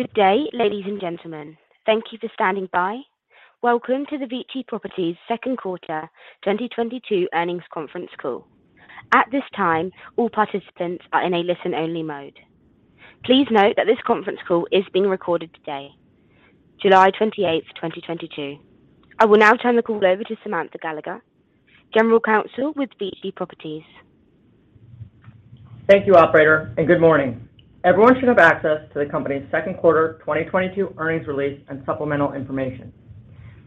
Good day, ladies and gentlemen. Thank you for standing by. Welcome to the VICI Properties second quarter 2022 earnings conference call. At this time, all participants are in a listen-only mode. Please note that this conference call is being recorded today, July 28th, 2022. I will now turn the call over to Samantha Gallagher, General Counsel with VICI Properties. Thank you, operator, and good morning. Everyone should have access to the company's second quarter 2022 earnings release and supplemental information.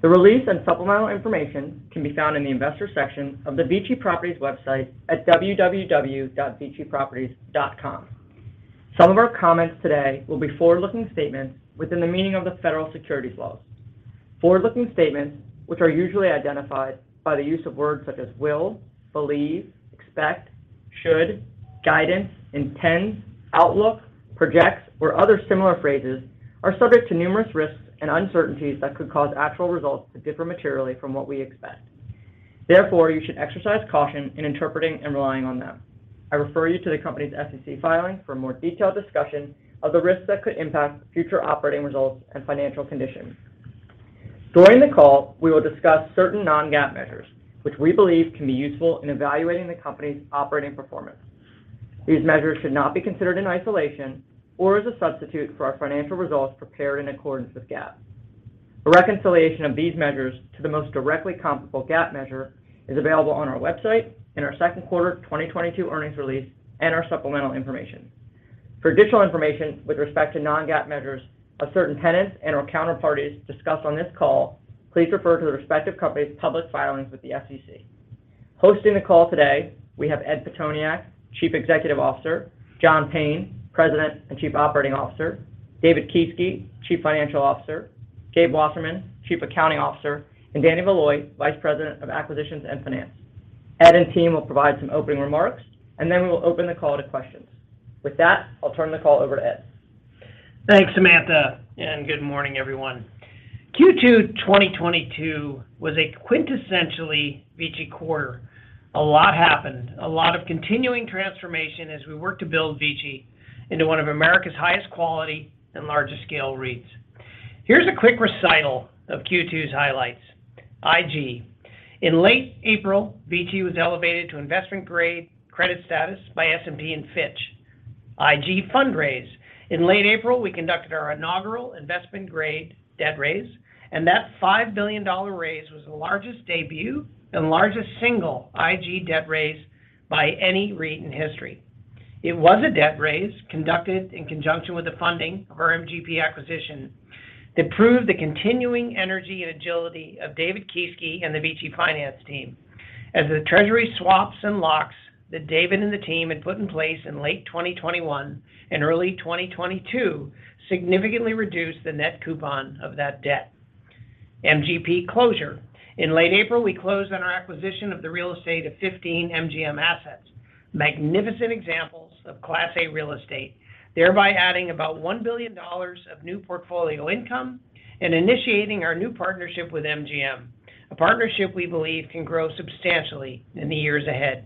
The release and supplemental information can be found in the investor section of the VICI Properties website at www.viciproperties.com. Some of our comments today will be forward-looking statements within the meaning of the Federal Securities laws. Forward-looking statements, which are usually identified by the use of words such as will, believe, expect, should, guidance, intends, outlook, projects, or other similar phrases, are subject to numerous risks and uncertainties that could cause actual results to differ materially from what we expect. Therefore, you should exercise caution in interpreting and relying on them. I refer you to the company's SEC filing for a more detailed discussion of the risks that could impact future operating results and financial conditions. During the call, we will discuss certain non-GAAP measures which we believe can be useful in evaluating the company's operating performance. These measures should not be considered in isolation or as a substitute for our financial results prepared in accordance with GAAP. A reconciliation of these measures to the most directly comparable GAAP measure is available on our website in our second quarter 2022 earnings release and our supplemental information. For additional information with respect to non-GAAP measures of certain tenants and/or counterparties discussed on this call, please refer to the respective company's public filings with the SEC. Hosting the call today, we have Ed Pitoniak, Chief Executive Officer, John Payne, President and Chief Operating Officer, David Kieske, Chief Financial Officer, Gabe Wasserman, Chief Accounting Officer, and Danny Valoy, Vice President of Acquisitions and Finance. Ed and team will provide some opening remarks, and then we will open the call to questions. With that, I'll turn the call over to Ed. Thanks, Samantha, and good morning, everyone. Q2 2022 was a quintessentially VICI quarter. A lot happened. A lot of continuing transformation as we work to build VICI into one of America's highest quality and largest scale REITs. Here's a quick recital of Q2's highlights. IG. In late April, VICI was elevated to investment grade credit status by S&P and Fitch. IG, fundraise. In late April, we conducted our inaugural investment grade debt raise, and that $5 billion raise was the largest debut and largest single IG debt raise by any REIT in history. It was a debt raise conducted in conjunction with the funding of our MGP acquisition that proved the continuing energy and agility of David Kieske and the VICI finance team. As the Treasury swaps and locks that David and the team had put in place in late 2021 and early 2022 significantly reduced the net coupon of that debt. MGP closure. In late April, we closed on our acquisition of the real estate of 15 MGM assets, magnificent examples of Class A real estate, thereby adding about $1 billion of new portfolio income and initiating our new partnership with MGM, a partnership we believe can grow substantially in the years ahead.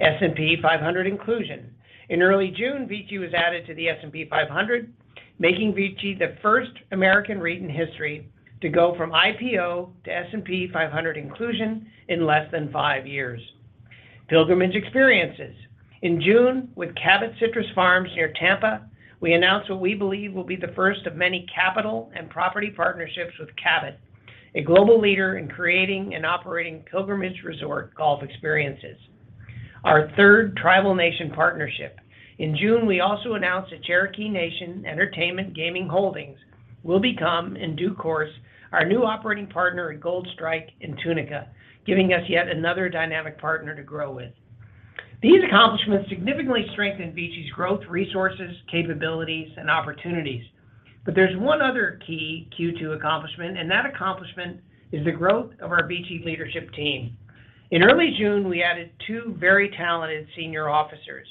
S&P 500 inclusion. In early June, VICI was added to the S&P 500, making VICI the first American REIT in history to go from IPO to S&P 500 inclusion in less than five years. Pilgrimage experiences. In June, with Cabot Citrus Farms near Tampa, we announced what we believe will be the first of many capital and property partnerships with Cabot, a global leader in creating and operating pilgrimage resort golf experiences. Our third Tribal Nation partnership. In June, we also announced that Cherokee Nation Entertainment Gaming Holdings will become, in due course, our new operating partner at Gold Strike in Tunica, giving us yet another dynamic partner to grow with. These accomplishments significantly strengthen Vici's growth resources, capabilities, and opportunities. There's one other key Q2 accomplishment, and that accomplishment is the growth of our Vici leadership team. In early June, we added two very talented senior officers.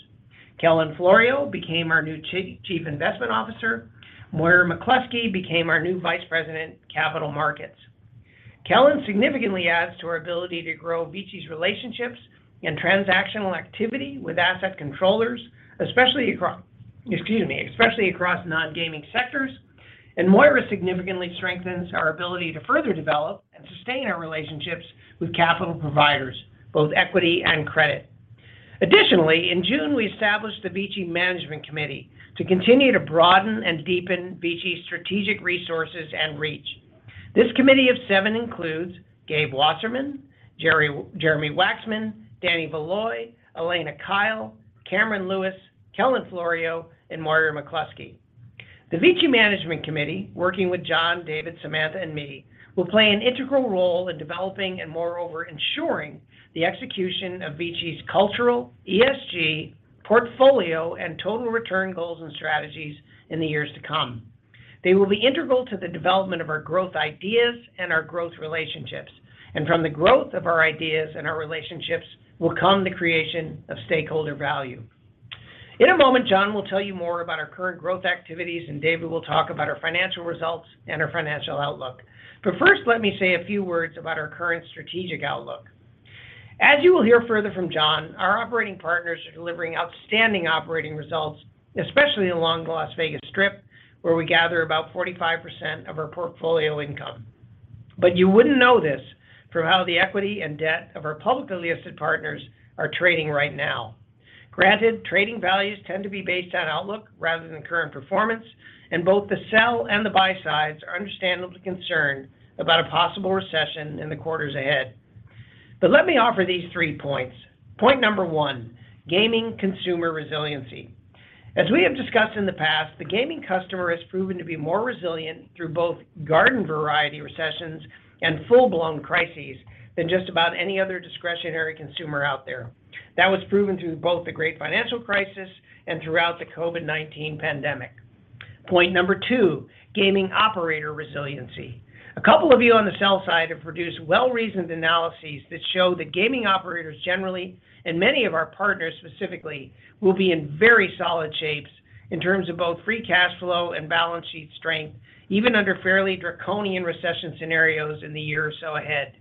Kellan Florio became our new Chief Investment Officer. Moira McCloskey became our new Vice President, Capital Markets. Kellan significantly adds to our ability to grow VICI's relationships and transactional activity with asset controllers, especially across non-gaming sectors. Moira significantly strengthens our ability to further develop and sustain our relationships with capital providers, both equity and credit. Additionally, in June, we established the VICI Management Committee to continue to broaden and deepen VICI's strategic resources and reach. This committee of seven includes Gabe Wasserman, Jeremy Waxman, Danny Valoy, Elena Kyle, Cameron Lewis, Kellan Florio, and Moira McCloskey. The VICI Management Committee, working with John, David, Samantha, and me, will play an integral role in developing and moreover ensuring the execution of VICI's cultural, ESG, portfolio, and total return goals and strategies in the years to come. They will be integral to the development of our growth ideas and our growth relationships. From the growth of our ideas and our relationships will come the creation of stakeholder value. In a moment, John will tell you more about our current growth activities, and David will talk about our financial results and our financial outlook. First, let me say a few words about our current strategic outlook. As you will hear further from John, our operating partners are delivering outstanding operating results, especially along the Las Vegas Strip, where we gather about 45% of our portfolio income. You wouldn't know this from how the equity and debt of our publicly listed partners are trading right now. Granted, trading values tend to be based on outlook rather than current performance, and both the sell and the buy sides are understandably concerned about a possible recession in the quarters ahead. Let me offer these three points. Point number one, gaming consumer resiliency. As we have discussed in the past, the gaming customer has proven to be more resilient through both garden variety recessions and full-blown crises than just about any other discretionary consumer out there. That was proven through both the great financial crisis and throughout the COVID-19 pandemic. Point number two, gaming operator resiliency. A couple of you on the sell side have produced well-reasoned analyses that show that gaming operators generally, and many of our partners specifically, will be in very solid shapes in terms of both free cash flow and balance sheet strength, even under fairly draconian recession scenarios in the year or so ahead.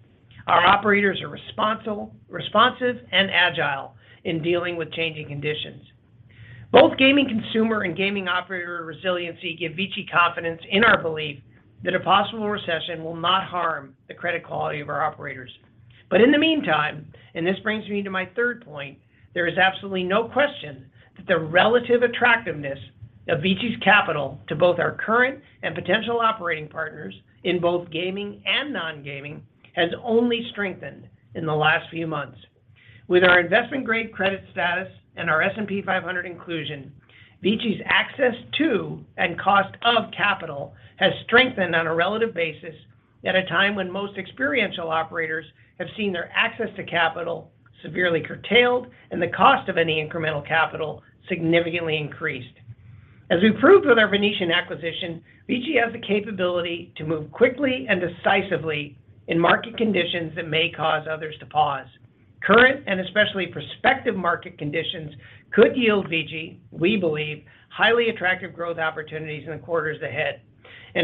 Our operators are responsive and agile in dealing with changing conditions. Both gaming consumer and gaming operator resiliency give VICI confidence in our belief that a possible recession will not harm the credit quality of our operators. In the meantime, and this brings me to my third point, there is absolutely no question that the relative attractiveness of VICI's capital to both our current and potential operating partners in both gaming and non-gaming has only strengthened in the last few months. With our investment grade credit status and our S&P 500 inclusion, VICI's access to and cost of capital has strengthened on a relative basis at a time when most experiential operators have seen their access to capital severely curtailed and the cost of any incremental capital significantly increased. As we proved with our Venetian acquisition, VICI has the capability to move quickly and decisively in market conditions that may cause others to pause. Current and especially prospective market conditions could yield VICI, we believe, highly attractive growth opportunities in the quarters ahead.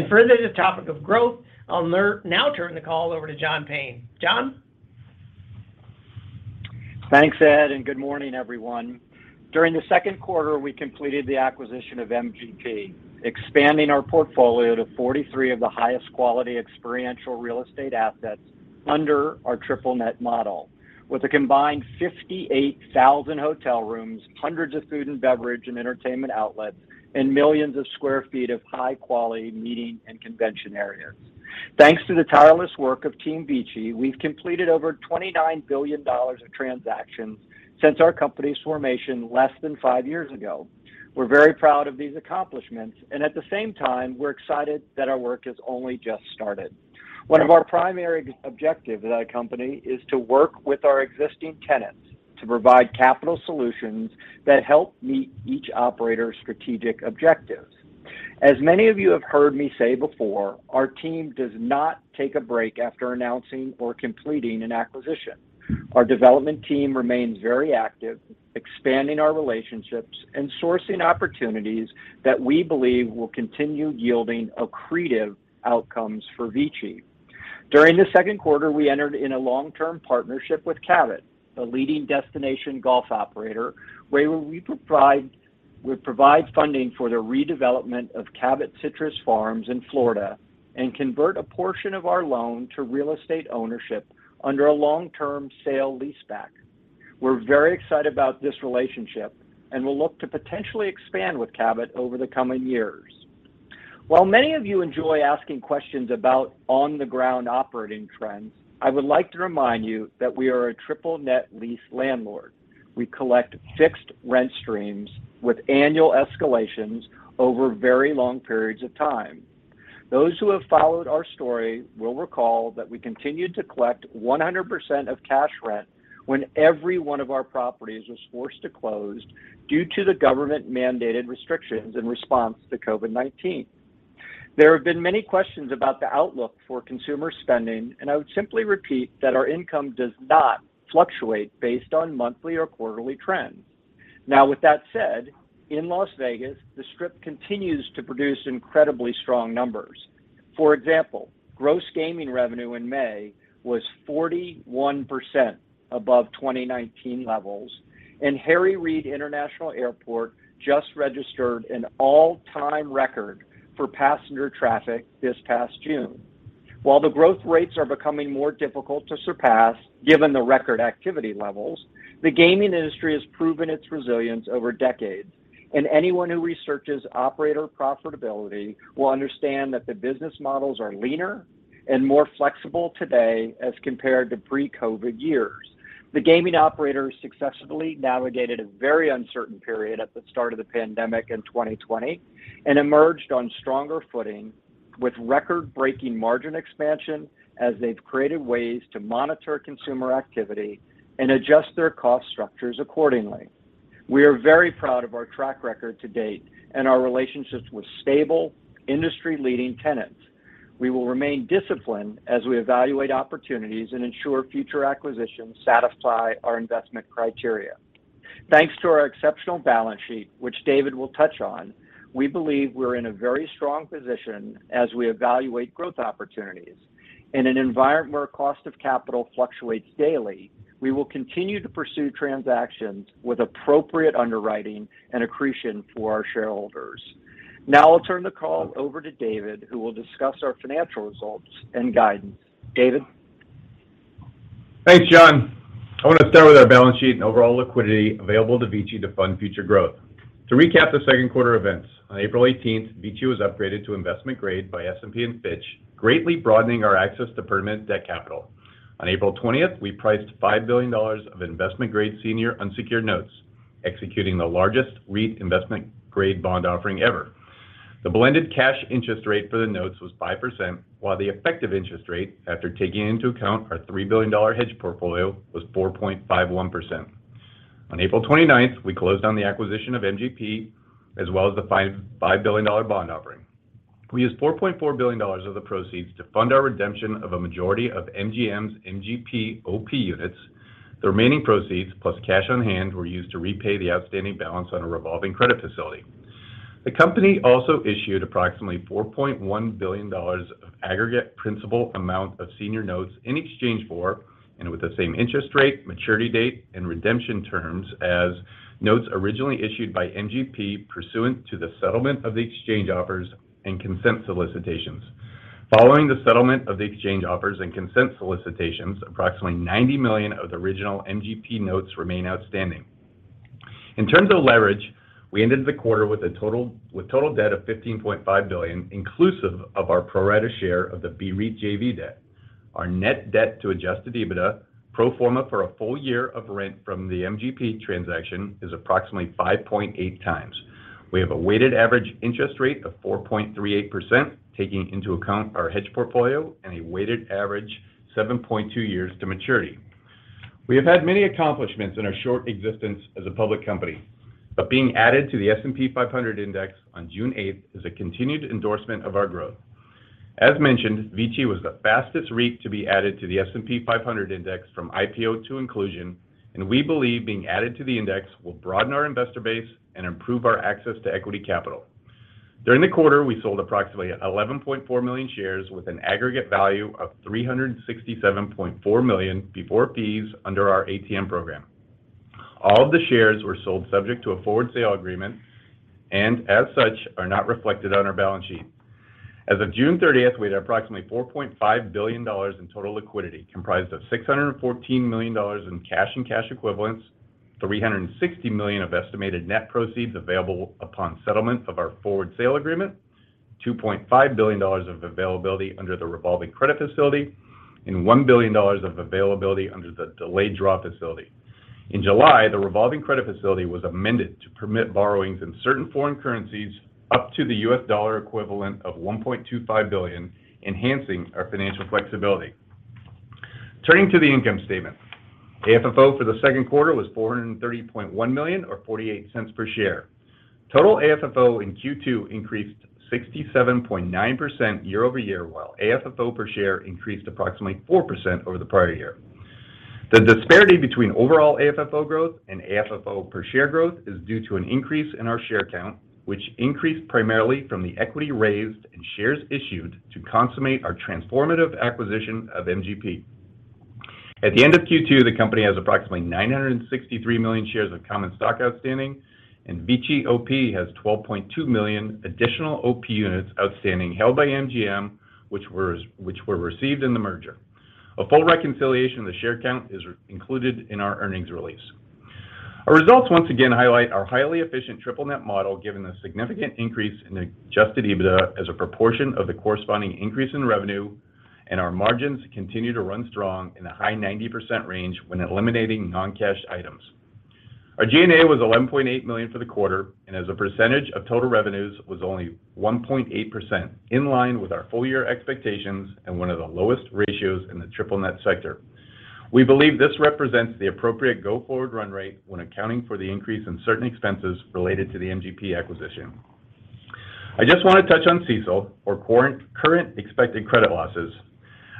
Further to the topic of growth, I'll now turn the call over to John Payne. John? Thanks, Ed, and good morning, everyone. During the second quarter, we completed the acquisition of MGP, expanding our portfolio to 43 of the highest quality experiential real estate assets under our triple net model with a combined 58,000 hotel rooms, hundreds of food and beverage and entertainment outlets, and millions of square feet of high-quality meeting and convention areas. Thanks to the tireless work of Team VICI, we've completed over $29 billion of transactions since our company's formation less than five years ago. We're very proud of these accomplishments, and at the same time, we're excited that our work has only just started. One of our primary objectives as a company is to work with our existing tenants to provide capital solutions that help meet each operator's strategic objectives. As many of you have heard me say before, our team does not take a break after announcing or completing an acquisition. Our development team remains very active, expanding our relationships and sourcing opportunities that we believe will continue yielding accretive outcomes for VICI. During the second quarter, we entered in a long-term partnership with Cabot, a leading destination golf operator, where we provide funding for the redevelopment of Cabot Citrus Farms in Florida and convert a portion of our loan to real estate ownership under a long-term sale leaseback. We're very excited about this relationship and will look to potentially expand with Cabot over the coming years. While many of you enjoy asking questions about on-the-ground operating trends, I would like to remind you that we are a triple net lease landlord. We collect fixed rent streams with annual escalations over very long periods of time. Those who have followed our story will recall that we continued to collect 100% of cash rent when every one of our properties was forced to close due to the government-mandated restrictions in response to COVID-19. There have been many questions about the outlook for consumer spending, and I would simply repeat that our income does not fluctuate based on monthly or quarterly trends. Now, with that said, in Las Vegas, the Strip continues to produce incredibly strong numbers. For example, gross gaming revenue in May was 41% above 2019 levels, and Harry Reid International Airport just registered an all-time record for passenger traffic this past June. While the growth rates are becoming more difficult to surpass, given the record activity levels, the gaming industry has proven its resilience over decades, and anyone who researches operator profitability will understand that the business models are leaner and more flexible today as compared to pre-COVID years. The gaming operators successfully navigated a very uncertain period at the start of the pandemic in 2020 and emerged on stronger footing with record-breaking margin expansion as they've created ways to monitor consumer activity and adjust their cost structures accordingly. We are very proud of our track record to date and our relationships with stable, industry-leading tenants. We will remain disciplined as we evaluate opportunities and ensure future acquisitions satisfy our investment criteria. Thanks to our exceptional balance sheet, which David will touch on, we believe we're in a very strong position as we evaluate growth opportunities. In an environment where cost of capital fluctuates daily, we will continue to pursue transactions with appropriate underwriting and accretion for our shareholders. Now I'll turn the call over to David, who will discuss our financial results and guidance. David? Thanks, John. I want to start with our balance sheet and overall liquidity available to VICI to fund future growth. To recap the second quarter events, on April 18th, VICI was upgraded to investment grade by S&P and Fitch, greatly broadening our access to permanent debt capital. On April 20th, we priced $5 billion of investment-grade senior unsecured notes, executing the largest REIT investment grade bond offering ever. The blended cash interest rate for the notes was 5%, while the effective interest rate, after taking into account our $3 billion hedge portfolio, was 4.51%. On April 29th, we closed on the acquisition of MGP, as well as the $5 billion bond offering. We used $4.4 billion of the proceeds to fund our redemption of a majority of MGM's MGP OP units. The remaining proceeds, plus cash on hand, were used to repay the outstanding balance on a revolving credit facility. The company also issued approximately $4.1 billion of aggregate principal amount of senior notes in exchange for, and with the same interest rate, maturity date, and redemption terms as notes originally issued by MGP pursuant to the settlement of the exchange offers and consent solicitations. Following the settlement of the exchange offers and consent solicitations, approximately $90 million of the original MGP notes remain outstanding. In terms of leverage, we ended the quarter with total debt of $15.5 billion, inclusive of our pro-rata share of the BREIT JV debt. Our net debt to adjusted EBITDA, pro forma for a full year of rent from the MGP transaction, is approximately 5.8x. We have a weighted average interest rate of 4.38%, taking into account our hedge portfolio and a weighted average 7.2 years to maturity. We have had many accomplishments in our short existence as a public company, but being added to the S&P 500 index on June 8 is a continued endorsement of our growth. As mentioned, VICI was the fastest REIT to be added to the S&P 500 index from IPO to inclusion, and we believe being added to the index will broaden our investor base and improve our access to equity capital. During the quarter, we sold approximately 11.4 million shares with an aggregate value of $367.4 million before fees under our ATM program. All of the shares were sold subject to a forward sale agreement and as such, are not reflected on our balance sheet. As of June 30th, we had approximately $4.5 billion in total liquidity, comprised of $614 million in cash and cash equivalents, $360 million of estimated net proceeds available upon settlement of our forward sale agreement, $2.5 billion of availability under the revolving credit facility, and $1 billion of availability under the delayed draw facility. In July, the revolving credit facility was amended to permit borrowings in certain foreign currencies up to the U.S. dollar equivalent of $1.25 billion, enhancing our financial flexibility. Turning to the income statement. AFFO for the second quarter was $430.1 million or $0.48 per share. Total AFFO in Q2 increased 67.9% year-over-year, while AFFO per share increased approximately 4% over the prior year. The disparity between overall AFFO growth and AFFO per share growth is due to an increase in our share count, which increased primarily from the equity raised and shares issued to consummate our transformative acquisition of MGP. At the end of Q2, the company has approximately 963 million shares of common stock outstanding, and VICI OP has 12.2 million additional OP units outstanding held by MGM, which were received in the merger. A full reconciliation of the share count is included in our earnings release. Our results once again highlight our highly efficient triple net model, given the significant increase in adjusted EBITDA as a proportion of the corresponding increase in revenue, and our margins continue to run strong in the high 90% range when eliminating non-cash items. Our G&A was $11.8 million for the quarter, and as a percentage of total revenues was only 1.8%, in line with our full year expectations and one of the lowest ratios in the triple net sector. We believe this represents the appropriate go-forward run rate when accounting for the increase in certain expenses related to the MGP acquisition. I just want to touch on CECL, or current expected credit losses.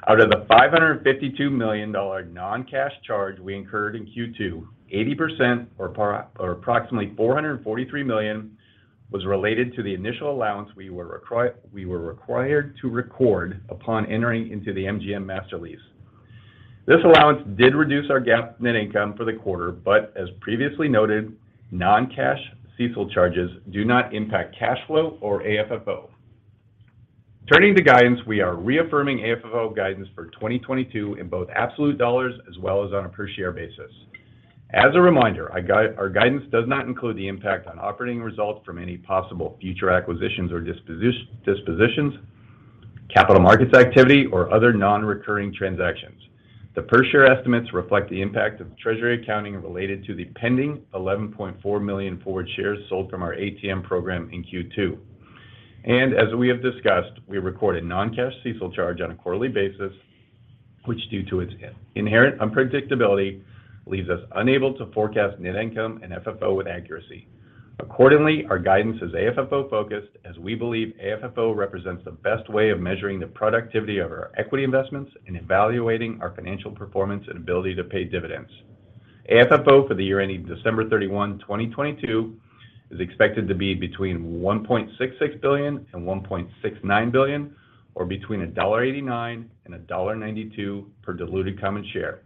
Out of the $552 million non-cash charge we incurred in Q2, 80% or approximately $443 million was related to the initial allowance we were required to record upon entering into the MGM Master Lease. This allowance did reduce our GAAP net income for the quarter, but as previously noted, non-cash CECL charges do not impact cash flow or AFFO. Turning to guidance, we are reaffirming AFFO guidance for 2022 in both absolute dollars as well as on a per share basis. As a reminder, our guidance does not include the impact on operating results from any possible future acquisitions or dispositions, capital markets activity, or other non-recurring transactions. The per share estimates reflect the impact of Treasury accounting related to the pending 11.4 million forward shares sold from our ATM program in Q2. As we have discussed, we recorded non-cash CECL charge on a quarterly basis, which due to its inherent unpredictability, leaves us unable to forecast net income and FFO with accuracy. Accordingly, our guidance is AFFO focused as we believe AFFO represents the best way of measuring the productivity of our equity investments and evaluating our financial performance and ability to pay dividends. AFFO for the year ending December 31, 2022 is expected to be between $1.66 billion and $1.69 billion or between $1.89 and $1.92 per diluted common share.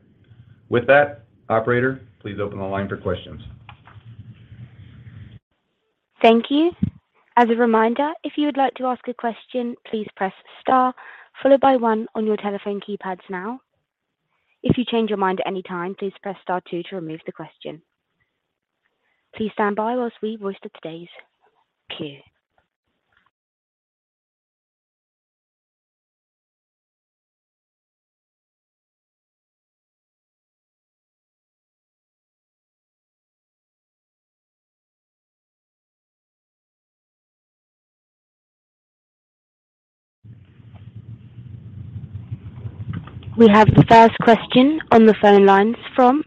With that, operator, please open the line for questions. Thank you. As a reminder, if you would like to ask a question, please press star followed by one on your telephone keypads now. If you change your mind at any time, please press star two to remove the question. Please stand by while we register today's queue. We have the first question on the phone lines from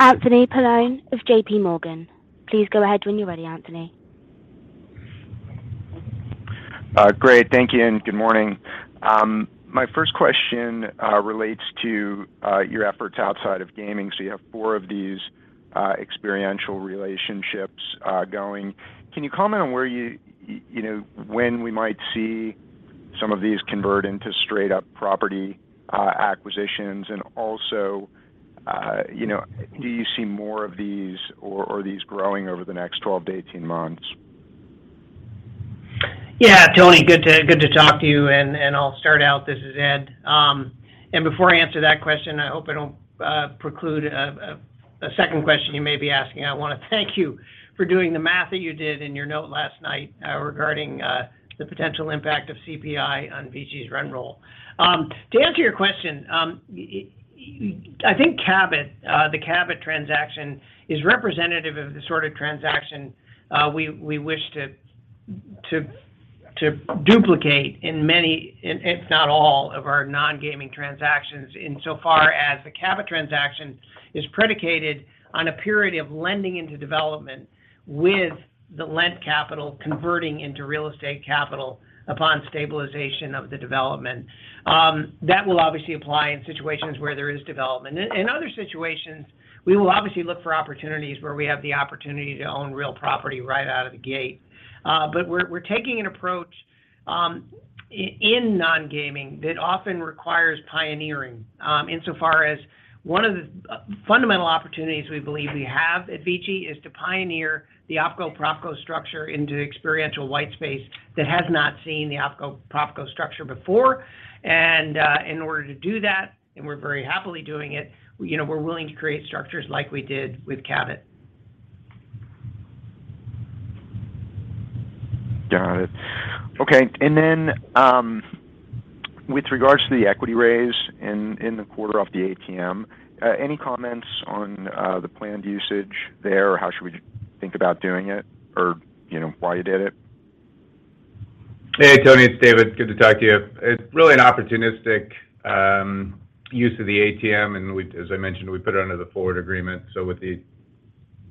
Anthony Paolone of J.P. Morgan. Please go ahead when you're ready, Anthony. Great. Thank you, and good morning. My first question relates to your efforts outside of gaming. You have four of these experiential relationships going. Can you comment on where you know when we might see some of these convert into straight up property acquisitions? Also, you know, do you see more of these or these growing over the next 12-18 months? Yeah. Tony, good to talk to you, and I'll start out. This is Ed. Before I answer that question, I hope I don't preclude a second question you may be asking. I wanna thank you for doing the math that you did in your note last night, regarding the potential impact of CPI on VICI's rent roll. To answer your question, I think Cabot, the Cabot transaction is representative of the sort of transaction we wish to duplicate in many, if not all, of our non-gaming transactions insofar as the Cabot transaction is predicated on a period of lending into development with the lent capital converting into real estate capital upon stabilization of the development. That will obviously apply in situations where there is development. In other situations, we will obviously look for opportunities where we have the opportunity to own real property right out of the gate. But we're taking an approach in non-gaming that often requires pioneering, insofar as one of the fundamental opportunities we believe we have at VICI is to pioneer the opco-propco structure into experiential white space that has not seen the opco-propco structure before. In order to do that, and we're very happily doing it, you know, we're willing to create structures like we did with Cabot. Got it. Okay. With regards to the equity raise in the quarter off the ATM, any comments on the planned usage there? Or how should we think about doing it? Or, you know, why you did it? Hey, Tony, it's David. Good to talk to you. It's really an opportunistic use of the ATM, and as I mentioned, we put it under the forward agreement. With the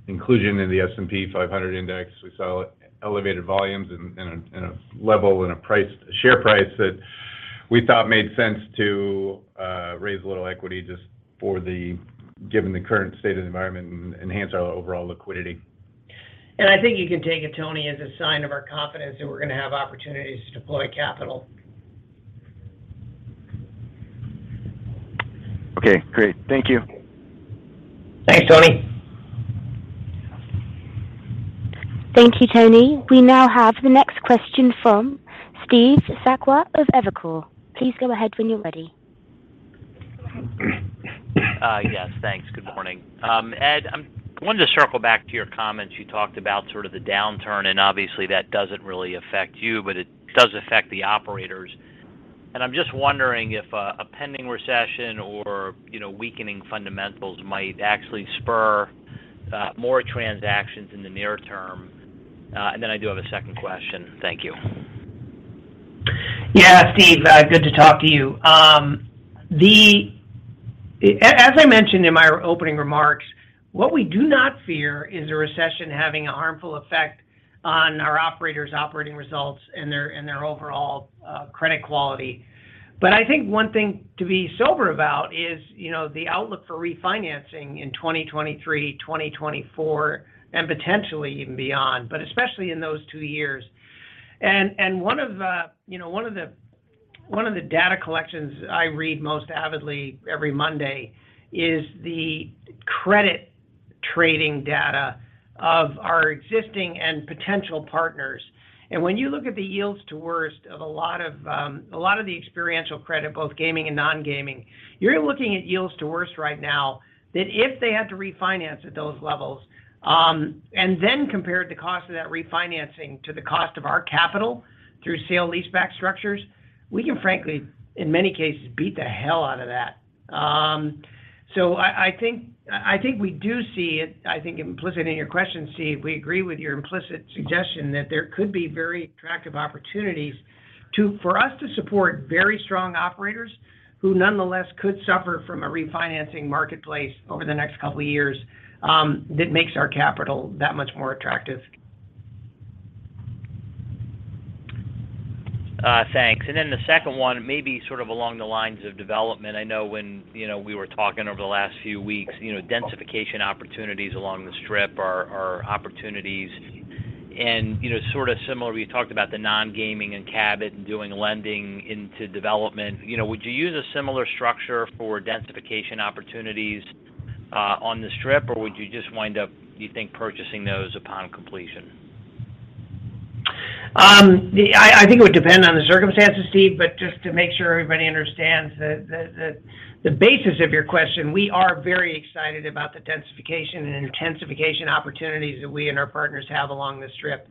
inclusion in the S&P 500 index, we saw elevated volumes and a level and a price, share price that we thought made sense to raise a little equity given the current state of the environment and enhance our overall liquidity. I think you can take it, Tony, as a sign of our confidence that we're gonna have opportunities to deploy capital. Okay. Great. Thank you. Thanks, Tony. Thank you, Tony. We now have the next question from Steve Sakwa of Evercore. Please go ahead when you're ready. Yes, thanks. Good morning. Ed, I wanted to circle back to your comments. You talked about sort of the downturn, and obviously, that doesn't really affect you, but it does affect the operators. I'm just wondering if a pending recession or, you know, weakening fundamentals might actually spur more transactions in the near term. I do have a second question. Thank you. Yeah. Steve, good to talk to you. As I mentioned in my opening remarks, what we do not fear is a recession having a harmful effect on our operators' operating results and their overall credit quality. But I think one thing to be sober about is, you know, the outlook for refinancing in 2023-2024, and potentially even beyond, but especially in those two years. One of the data collections I read most avidly every Monday is the credit trading data of our existing and potential partners. When you look at the yields to worst of a lot of the experiential credit, both gaming and non-gaming, you're looking at yields to worst right now that if they had to refinance at those levels, and then compare the cost of that refinancing to the cost of our capital through sale-leaseback structures, we can frankly, in many cases, beat the hell out of that. I think we do see it. I think implicit in your question, Steve, we agree with your implicit suggestion that there could be very attractive opportunities for us to support very strong operators who nonetheless could suffer from a refinancing marketplace over the next couple of years, that makes our capital that much more attractive. Thanks. The second one, maybe sort of along the lines of development. I know when, you know, we were talking over the last few weeks, you know, densification opportunities along the strip are opportunities and, you know, sort of similar. We talked about the non-gaming and Cabot and doing lending into development. You know, would you use a similar structure for densification opportunities on the strip, or would you just wind up, do you think, purchasing those upon completion? I think it would depend on the circumstances, Steve, but just to make sure everybody understands the basis of your question, we are very excited about the densification and intensification opportunities that we and our partners have along the strip.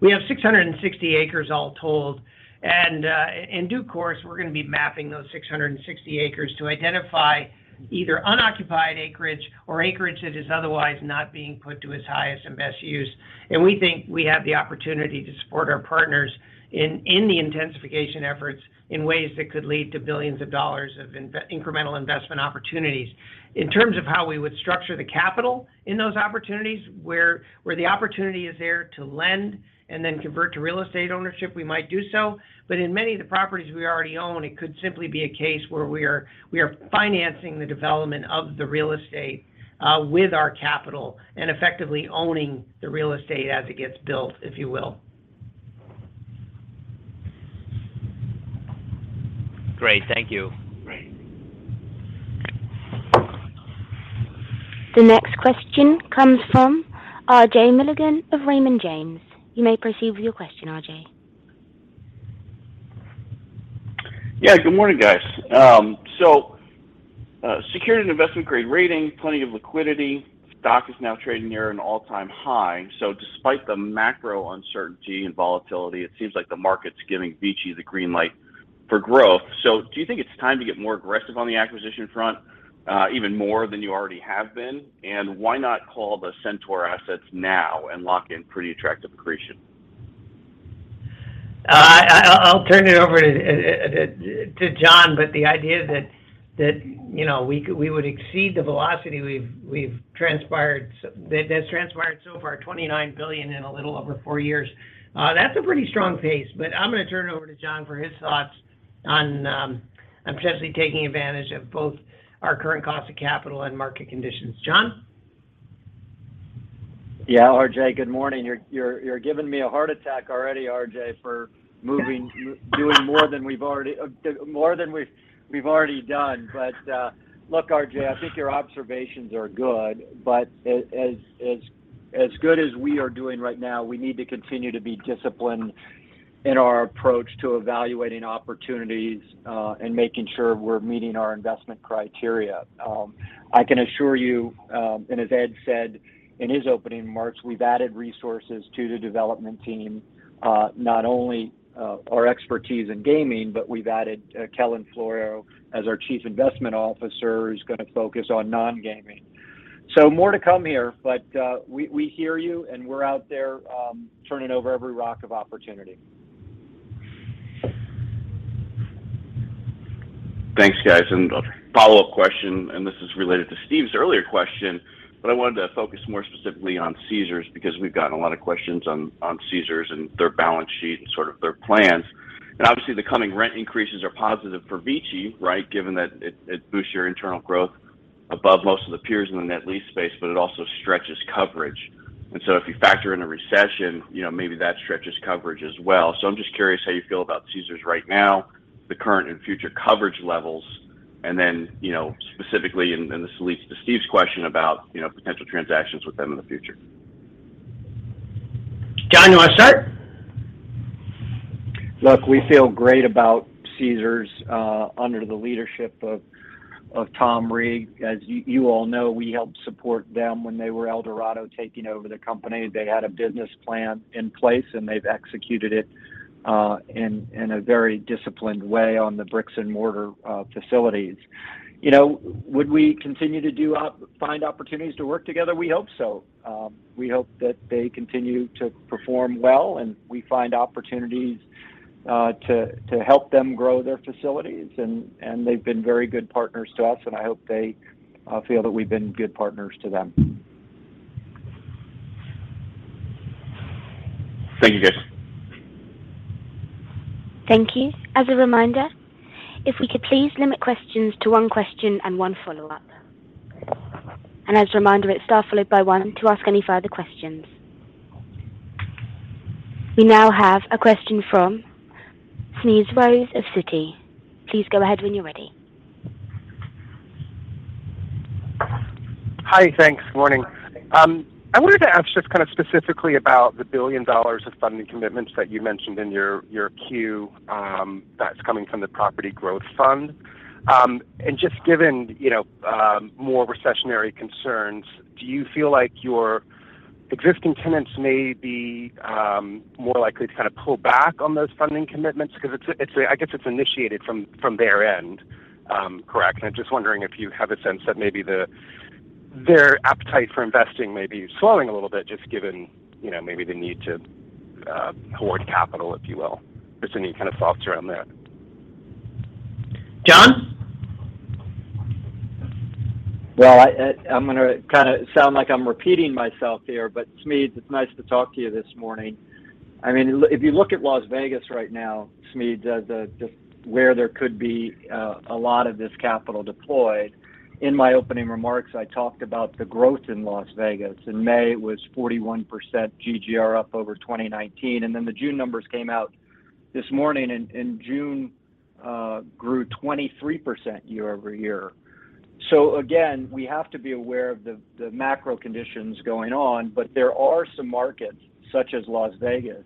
We have 660 acres all told, and in due course, we're gonna be mapping those 660 acres to identify either unoccupied acreage or acreage that is otherwise not being put to its highest and best use. We think we have the opportunity to support our partners in the intensification efforts in ways that could lead to billions of dollars of incremental investment opportunities. In terms of how we would structure the capital in those opportunities, where the opportunity is there to lend and then convert to real estate ownership, we might do so. In many of the properties we already own, it could simply be a case where we are financing the development of the real estate, with our capital and effectively owning the real estate as it gets built, if you will. Great. Thank you. Great. The next question comes from RJ Milligan of Raymond James. You may proceed with your question, RJ. Yeah, good morning, guys. Strong investment-grade rating, plenty of liquidity. Stock is now trading near an all-time high. Despite the macro uncertainty and volatility, it seems like the market's giving VICI the green light for growth. Do you think it's time to get more aggressive on the acquisition front, even more than you already have been? Why not call the Centaur assets now and lock in pretty attractive accretion? I'll turn it over to John, but the idea that, you know, we would exceed the velocity that has transpired so far, $29 billion in a little over four years. That's a pretty strong pace, but I'm gonna turn it over to John for his thoughts on potentially taking advantage of both our current cost of capital and market conditions. John? Yeah. RJ, good morning. You're giving me a heart attack already, RJ, for doing more than we've already done. Look, RJ, I think your observations are good, but as good as we are doing right now, we need to continue to be disciplined in our approach to evaluating opportunities, and making sure we're meeting our investment criteria. I can assure you, and as Ed said in his opening remarks, we've added resources to the development team, not only our expertise in gaming, but we've added Kellan Florio as our Chief Investment Officer, is gonna focus on non-gaming. More to come here, but we hear you, and we're out there turning over every rock of opportunity. Thanks, guys. A follow-up question, and this is related to Steve's earlier question, but I wanted to focus more specifically on Caesars because we've gotten a lot of questions on Caesars and their balance sheet and sort of their plans. Obviously, the coming rent increases are positive for VICI, right? Given that it boosts your internal growth above most of the peers in the net lease space, but it also stretches coverage. If you factor in a recession, you know, maybe that stretches coverage as well. I'm just curious how you feel about Caesars right now, the current and future coverage levels, and then, you know, specifically, this leads to Steve's question about, you know, potential transactions with them in the future. John, you wanna start? Look, we feel great about Caesars under the leadership of Tom Reeg. As you all know, we helped support them when they were Eldorado taking over the company. They had a business plan in place, and they've executed it in a very disciplined way on the bricks and mortar facilities. You know, would we continue to find opportunities to work together? We hope so. We hope that they continue to perform well, and we find opportunities to help them grow their facilities. They've been very good partners to us, and I hope they feel that we've been good partners to them. Thank you, guys. Thank you. As a reminder, if we could please limit questions to one question and one follow-up. As a reminder, it's star followed by one to ask any further questions. We now have a question from Smedes Rose of Citi. Please go ahead when you're ready. Hi. Thanks. Morning. I wanted to ask just kinda specifically about the $1 billion of funding commitments that you mentioned in your Q that's coming from the property growth fund. Just given, you know, more recessionary concerns, do you feel like your existing tenants may be more likely to kinda pull back on those funding commitments? Because it's initiated from their end, correct? I'm just wondering if you have a sense that maybe their appetite for investing may be slowing a little bit, just given, you know, maybe the need to hoard capital, if you will. Just any kind of thoughts around that. John? Well, I'm gonna kinda sound like I'm repeating myself here, but Smedes, it's nice to talk to you this morning. I mean, if you look at Las Vegas right now, Smedes, the just where there could be a lot of this capital deployed. In my opening remarks, I talked about the growth in Las Vegas. In May, it was 41% GGR up over 2019, and then the June numbers came out this morning, and June grew 23% year-over-year. AGain, we have to be aware of the macro conditions going on. There are some markets, such as Las Vegas,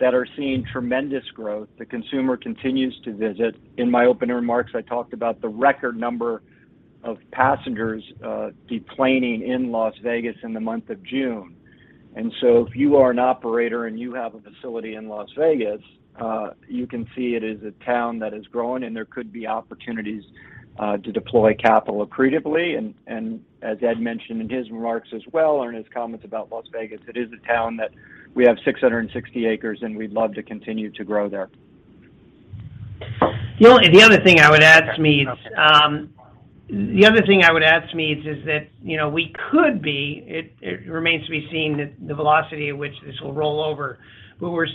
that are seeing tremendous growth. The consumer continues to visit. In my opening remarks, I talked about the record number of passengers deplaning in Las Vegas in the month of June. If you are an operator and you have a facility in Las Vegas, you can see it is a town that is growing, and there could be opportunities to deploy capital accretively. As Ed mentioned in his remarks as well, on his comments about Las Vegas, it is a town that we have 660 acres, and we'd love to continue to grow there. The other thing I would add, Smedes, is that, you know, we could be, it remains to be seen, the velocity at which this will roll over.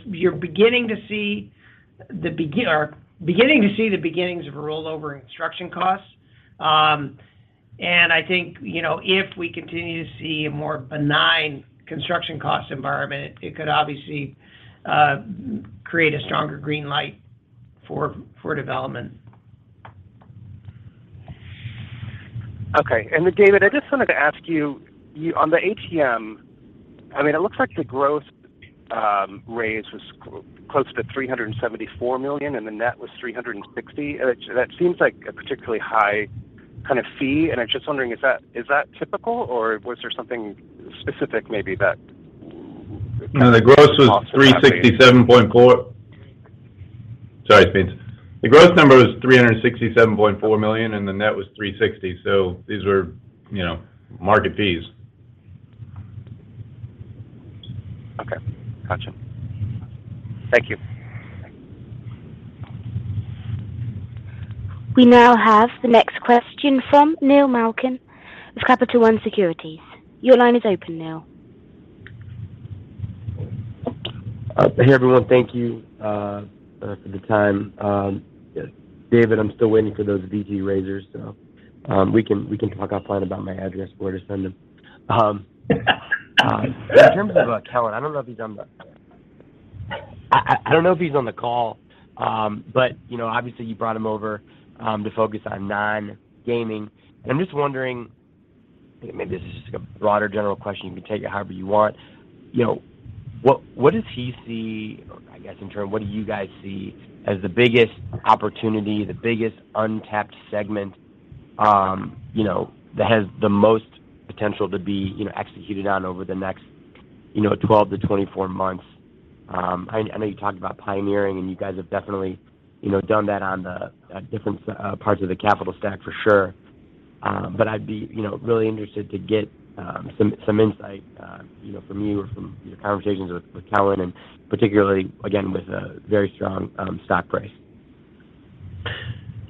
You're beginning to see the beginnings of a rollover in construction costs. I think, you know, if we continue to see a more benign construction cost environment, it could obviously create a stronger green light for development. Okay. David, I just wanted to ask you on the ATM. I mean, it looks like the gross raise was close to $374 million, and the net was $360 million. That seems like a particularly high kind of fee. I'm just wondering, is that typical, or was there something specific maybe that No, the gross was $367.4 million. Sorry, Smedes. The gross number was $367.4 million, and the net was $360 million, so these were, you know, market fees. Okay, gotcha. Thank you. We now have the next question from Neil Malkin of Capital One Securities. Your line is open, Neil. Hey, everyone. Thank you for the time. David, I'm still waiting for those VICI razors, so we can talk offline about my address where to send them. In terms of Kellan, I don't know if he's on the call. You know, obviously you brought him over to focus on non-gaming. I'm just wondering, maybe this is just like a broader general question, you can take it however you want. You know, what does he see, or I guess in turn, what do you guys see as the biggest opportunity, the biggest untapped segment, you know, that has the most potential to be executed on over the next 12-24 months? I know you talked about pioneering, and you guys have definitely, you know, done that on the different parts of the capital stack for sure. I'd be, you know, really interested to get some insight, you know, from you or from your conversations with Kellan and particularly again with a very strong stock price.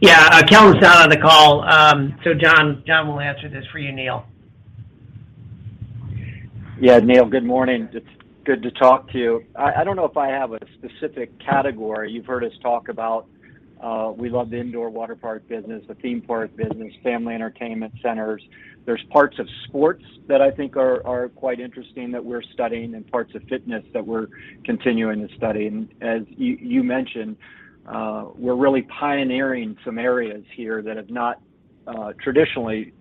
Kellan's not on the call. John will answer this for you, Neil. Yeah. Neil, good morning. It's good to talk to you. I don't know if I have a specific category. You've heard us talk about we love the indoor water park business, the theme park business, family entertainment centers. There's parts of sports that I think are quite interesting that we're studying and parts of fitness that we're continuing to study. As you mentioned, we're really pioneering some areas here that have not traditionally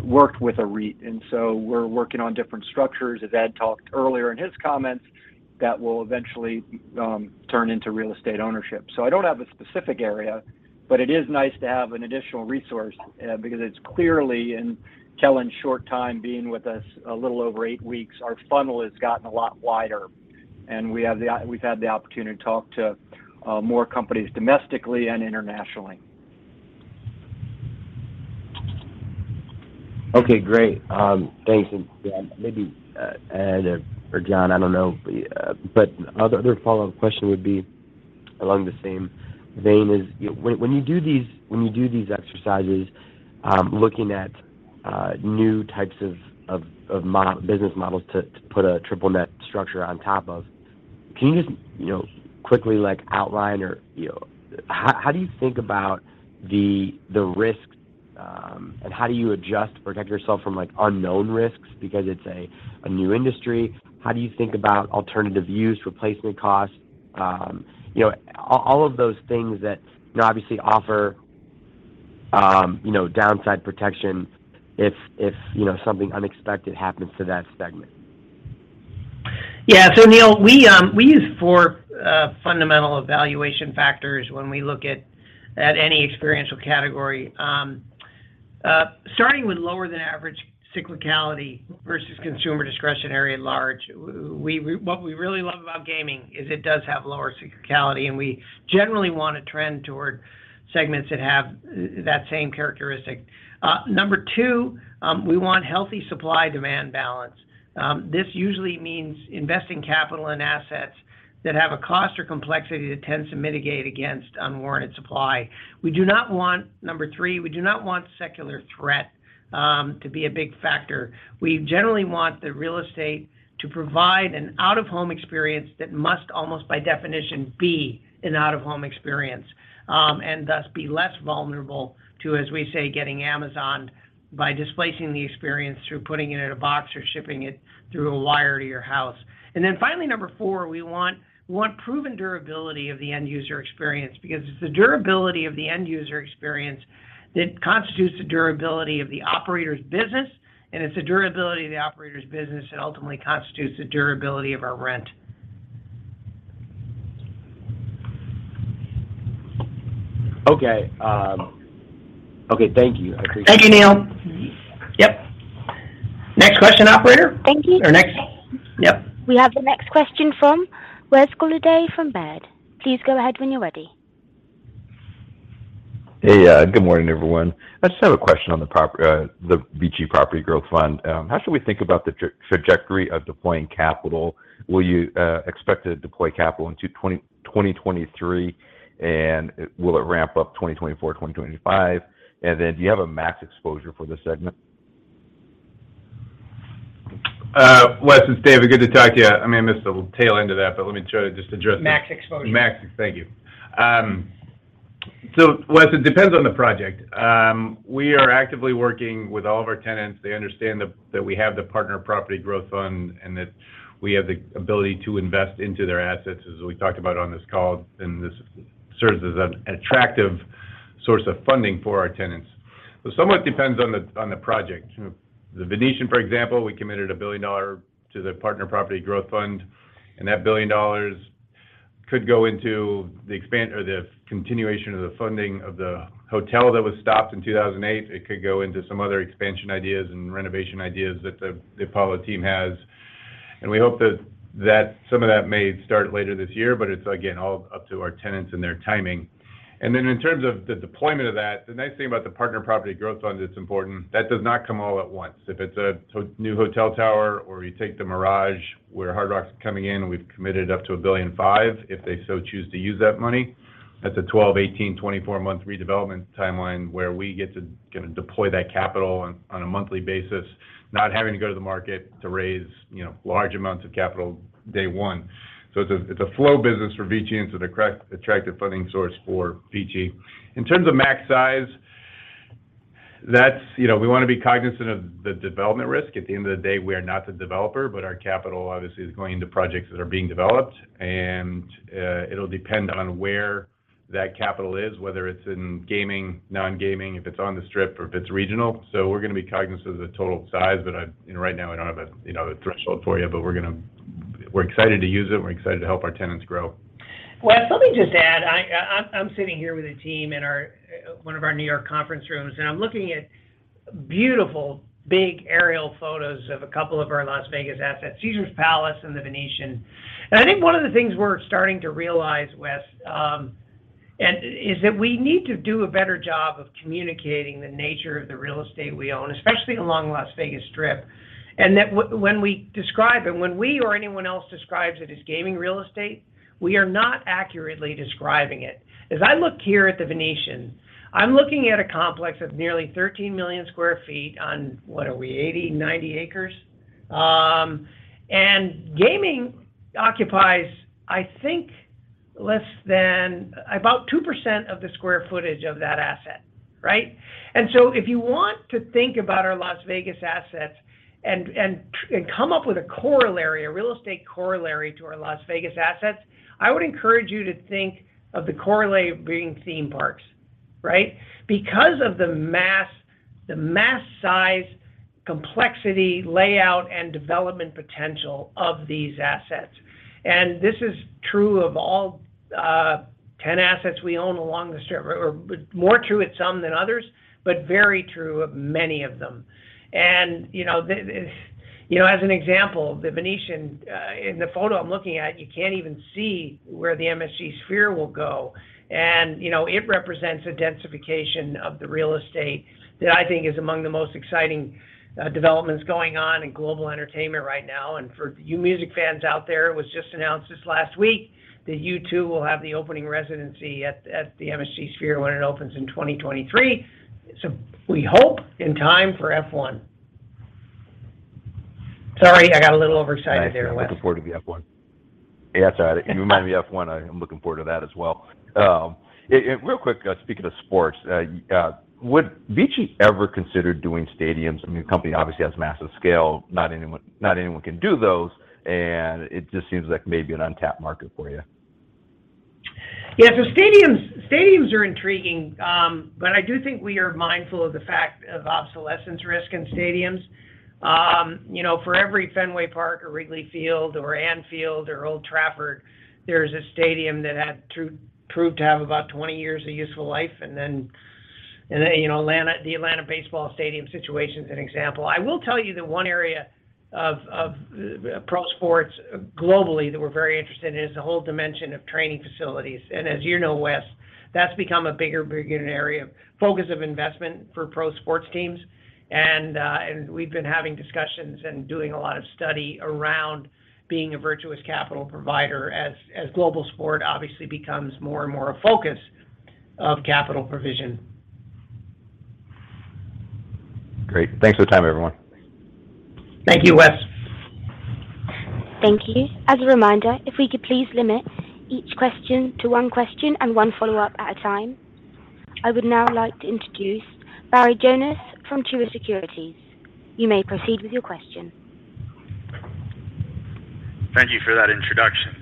worked with a REIT. We're working on different structures, as Ed talked earlier in his comments, that will eventually turn into real estate ownership. I don't have a specific area, but it is nice to have an additional resource, because it's clearly in Kellan's short time being with us a little over eight weeks, our funnel has gotten a lot wider, and we've had the opportunity to talk to more companies domestically and internationally. Okay, great. Thanks. Maybe Ed or John, I don't know, but other follow-up question would be along the same vein as, you know, when you do these exercises, looking at new types of business models to put a triple net structure on top of, can you just, you know, quickly like outline or, you know. How do you think about the risks and how do you adjust to protect yourself from like unknown risks because it's a new industry? How do you think about alternative use, replacement costs, you know, all of those things that, you know, obviously offer, you know, downside protection if, you know, something unexpected happens to that segment? Neil, we use four fundamental evaluation factors when we look at any experiential category. Starting with lower than average cyclicality versus consumer discretionary at large, what we really love about gaming is it does have lower cyclicality, and we generally wanna trend toward segments that have that same characteristic. Number two, we want healthy supply-demand balance. This usually means investing capital and assets that have a cost or complexity that tends to mitigate against unwarranted supply. Number three, we do not want secular threat to be a big factor. We generally want the real estate to provide an out-of-home experience that must, almost by definition, be an out-of-home experience, and thus be less vulnerable to, as we say, getting Amazoned by displacing the experience through putting it in a box or shipping it through a wire to your house. Finally, number four, we want proven durability of the end user experience because it's the durability of the end user experience that constitutes the durability of the operator's business, and it's the durability of the operator's business that ultimately constitutes the durability of our rent. Okay. Okay, thank you. I appreciate it. Thank you, Neil. Yep. Next question, operator. Thank you. Our next-- Yep. We have the next question from Wes Golladay from Baird. Please go ahead when you're ready. Hey, good morning, everyone. I just have a question on the Partner Property Growth Fund. How should we think about the trajectory of deploying capital? Will you expect to deploy capital into 2023, and will it ramp up 2024-2025? Do you have a max exposure for this segment? Wes, it's David. Good to talk to you. I may have missed the tail end of that, but let me try to just address it. Max exposure. Max. Thank you. Wes, it depends on the project. We are actively working with all of our tenants. They understand that we have the Partner Property Growth Fund, and that we have the ability to invest into their assets, as we talked about on this call, and this serves as an attractive source of funding for our tenants. Somewhat depends on the project. The Venetian, for example, we committed $1 billion to the Partner Property Growth Fund, and that $1 billion could go into the continuation of the funding of the hotel that was stopped in 2008. It could go into some other expansion ideas and renovation ideas that the Apollo team has. We hope that some of that may start later this year, but it's again, all up to our tenants and their timing. Then in terms of the deployment of that, the nice thing about the Partner Property Growth Fund that's important, that does not come all at once. If it's a hot new hotel tower, or you take The Mirage, where Hard Rock's coming in, we've committed up to $1.5 billion, if they so choose to use that money. That's a 12, 18, 24-month redevelopment timeline, where we get to kinda deploy that capital on a monthly basis, not having to go to the market to raise, you know, large amounts of capital day one. It's a flow business for VICI, and it's an attractive funding source for VICI. In terms of max size, that's, you know, we wanna be cognizant of the development risk. At the end of the day, we are not the developer, but our capital obviously is going into projects that are being developed. It'll depend on where that capital is, whether it's in gaming, non-gaming, if it's on the Strip or if it's regional. We're gonna be cognizant of the total size, but you know, right now I don't have a, you know, a threshold for you, but we're gonna. We're excited to use it, and we're excited to help our tenants grow. Wes, let me just add, I'm sitting here with a team in our, one of our New York conference rooms, and I'm looking at beautiful, big aerial photos of a couple of our Las Vegas assets, Caesars Palace and The Venetian. I think one of the things we're starting to realize, Wes, is that we need to do a better job of communicating the nature of the real estate we own, especially along Las Vegas Strip. That when we describe it, when we or anyone else describes it as gaming real estate, we are not accurately describing it. As I look here at The Venetian, I'm looking at a complex of nearly 13 million sq ft on, what are we? 80-90 acres. Gaming occupies, I think, less than about 2% of the square footage of that asset, right? If you want to think about our Las Vegas assets and come up with a corollary, a real estate corollary to our Las Vegas assets, I would encourage you to think of the corollary being theme parks, right? Because of the mass size, complexity, layout, and development potential of these assets. This is true of all 10 assets we own along the Strip. Or more true at some than others, but very true of many of them. You know, as an example, The Venetian in the photo I'm looking at, you can't even see where the MSG Sphere will go. You know, it represents a densification of the real estate that I think is among the most exciting developments going on in global entertainment right now. For you music fans out there, it was just announced this last week that U2 will have the opening residency at the MSG Sphere when it opens in 2023. We hope in time for F1. Sorry, I got a little overexcited there, Wes. Nice. I'm looking forward to the F1. Yeah, that's all right. You reminded me of F1. I'm looking forward to that as well. Real quick, speaking of sports, would VICI ever consider doing stadiums? I mean, the company obviously has massive scale. Not anyone can do those. It just seems like maybe an untapped market for you. Yeah. Stadiums are intriguing. I do think we are mindful of the fact of obsolescence risk in stadiums. You know, for every Fenway Park, or Wrigley Field, or Anfield, or Old Trafford, there's a stadium that had proved to have about 20 years of useful life, and then, you know, Atlanta, the Atlanta baseball stadium situation is an example. I will tell you that one area of pro sports globally that we're very interested in is the whole dimension of training facilities. As you know, Wes, that's become a bigger area of focus of investment for pro sports teams. We've been having discussions and doing a lot of study around being a virtuous capital provider as global sport obviously becomes more and more a focus of capital provision. Great. Thanks for the time, everyone. Thank you, Wes. Thank you. As a reminder, if we could please limit each question to one question and one follow-up at a time. I would now like to introduce Barry Jonas from Truist Securities. You may proceed with your question. Thank you for that introduction.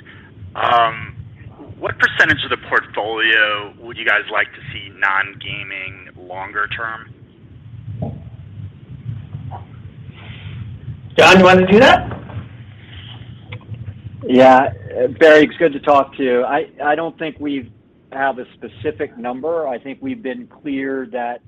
What percentage of the portfolio would you guys like to see non-gaming longer term? John, you wanna do that? Yeah. Barry, it's good to talk to you. I don't think we have a specific number. I think we've been clear that,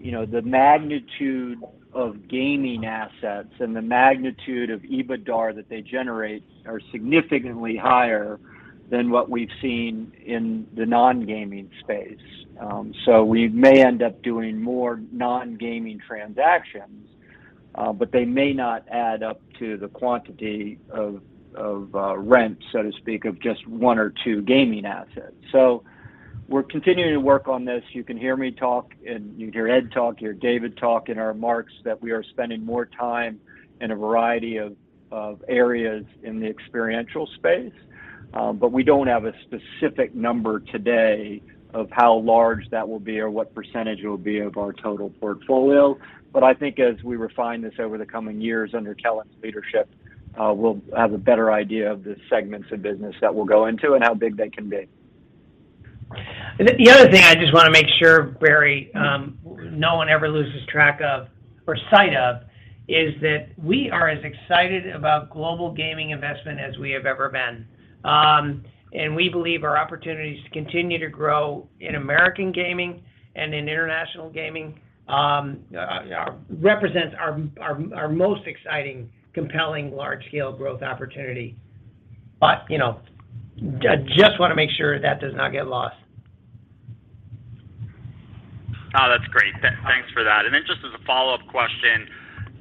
you know, the magnitude of gaming assets and the magnitude of EBITDAR that they generate are significantly higher than what we've seen in the non-gaming space. We may end up doing more non-gaming transactions, but they may not add up to the quantity of rent, so to speak, of just one or two gaming assets. We're continuing to work on this. You can hear me talk and you can hear Ed talk, hear David talk in our remarks that we are spending more time in a variety of areas in the experiential space. We don't have a specific number today of how large that will be or what percentage it will be of our total portfolio. I think as we refine this over the coming years under Kellan's leadership, we'll have a better idea of the segments of business that we'll go into and how big they can be. The other thing I just wanna make sure, Barry, no one ever loses track of or sight of, is that we are as excited about global gaming investment as we have ever been. We believe our opportunities to continue to grow in American gaming and in international gaming represents our most exciting, compelling large-scale growth opportunity. You know, just wanna make sure that does not get lost. Oh, that's great. Thanks for that. Just as a follow-up question,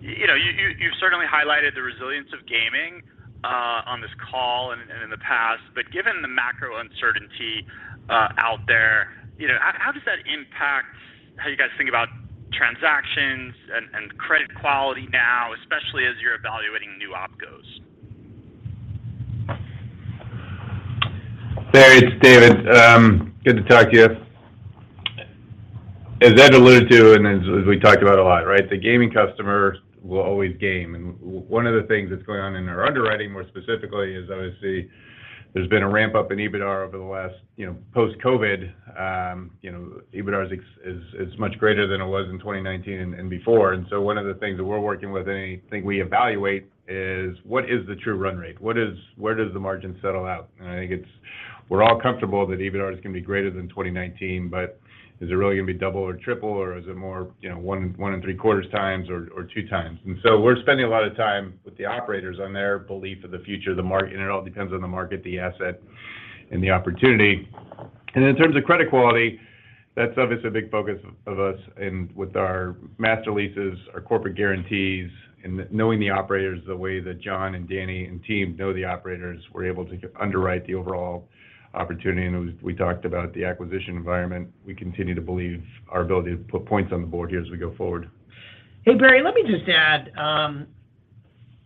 you know, you've certainly highlighted the resilience of gaming on this call and in the past, but given the macro uncertainty out there, you know, how does that impact how you guys think about transactions and credit quality now, especially as you're evaluating new opcos? Barry, it's David. Good to talk to you. As Ed alluded to, and as we talked about a lot, right, the gaming customers will always game. One of the things that's going on in our underwriting more specifically is obviously there's been a ramp up in EBITDAR over the last, you know, post-COVID. You know, EBITDAR is much greater than it was in 2019 and before. One of the things that we're working with, anything we evaluate is what is the true run rate? Where does the margin settle out? I think we're all comfortable that EBITDAR is gonna be greater than 2019, but is it really gonna be double or triple, or is it more, you know, one and three quarters times or 2x? We're spending a lot of time with the operators on their belief of the future of the market, and it all depends on the market, the asset, and the opportunity. In terms of credit quality, that's obviously a big focus of us with our master leases, our corporate guarantees, and knowing the operators the way that John and Danny and team know the operators, we're able to underwrite the overall opportunity. We talked about the acquisition environment. We continue to believe our ability to put points on the board here as we go forward. Hey, Barry, let me just add, I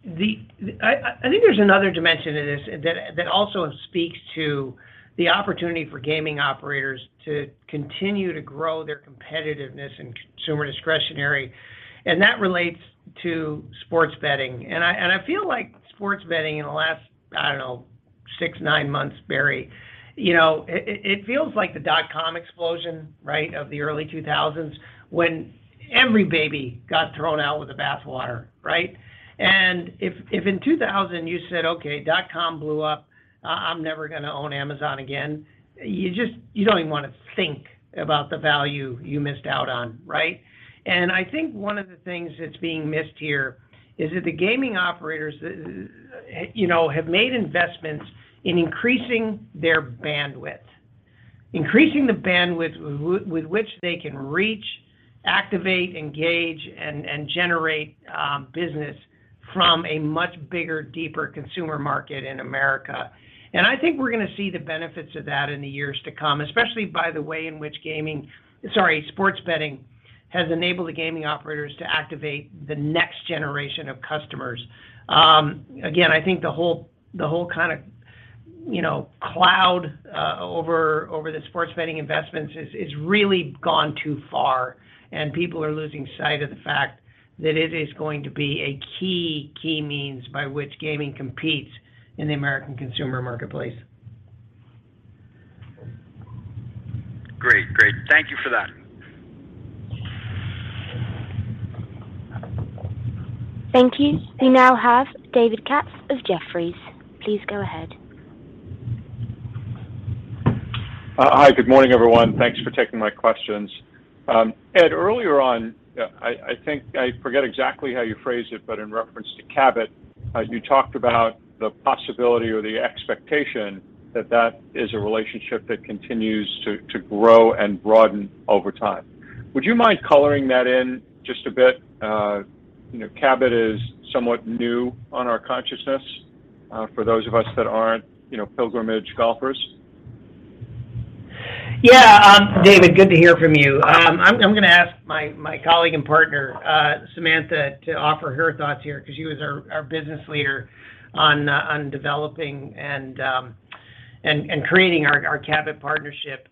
think there's another dimension to this that also speaks to the opportunity for gaming operators to continue to grow their competitiveness and consumer discretionary, and that relates to sports betting. I feel like sports betting in the last, I don't know, six, nine months, Barry. You know, it feels like the dot-com explosion, right, of the early 2000s when every baby got thrown out with the bath water, right? If in 2000 you said, "Okay, dot-com blew up, I'm never gonna own Amazon again," you don't even wanna think about the value you missed out on, right? I think one of the things that's being missed here is that the gaming operators, you know, have made investments in increasing their bandwidth. Increasing the bandwidth with which they can reach, activate, engage, and generate business from a much bigger, deeper consumer market in America. I think we're gonna see the benefits of that in the years to come, especially by the way in which sports betting has enabled the gaming operators to activate the next generation of customers. Again, I think the whole kind of, you know, cloud over the sports betting investments is really gone too far and people are losing sight of the fact that it is going to be a key means by which gaming competes in the American consumer marketplace. Great. Thank you for that. Thank you. We now have David Katz of Jefferies. Please go ahead. Hi. Good morning, everyone. Thanks for taking my questions. Ed, earlier on, I think I forget exactly how you phrased it, but in reference to Cabot, you talked about the possibility or the expectation that that is a relationship that continues to grow and broaden over time. Would you mind coloring that in just a bit? You know, Cabot is somewhat new on our consciousness, for those of us that aren't, you know, pilgrimage golfers. Yeah. David, good to hear from you. I'm gonna ask my colleague and partner, Samantha to offer her thoughts here because she was our business leader on developing and creating our Cabot partnership.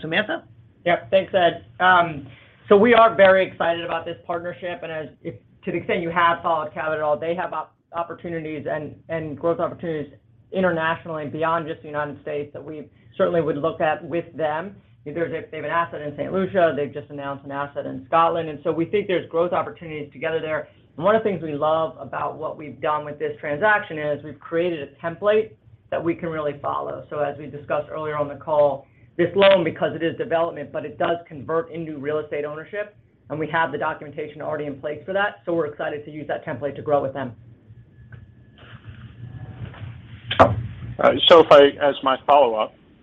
Samantha? Yep. Thanks, Ed. We are very excited about this partnership, and if to the extent you have followed Cabot at all, they have opportunities and growth opportunities internationally beyond just the United States that we certainly would look at with them. They have an asset in Saint Lucia. They've just announced an asset in Scotland. We think there's growth opportunities together there. One of the things we love about what we've done with this transaction is we've created a template that we can really follow. As we discussed earlier on the call, this loan, because it is development, but it does convert into real estate ownership, and we have the documentation already in place for that. We're excited to use that template to grow with them. As my